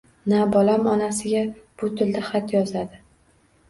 Na bola onasiga bu tilda xat yozadi.